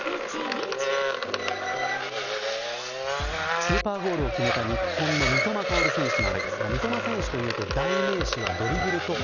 スーパーゴールを決めた日本の三笘薫選手なんですが三笘選手というと代名詞はドリブル突破。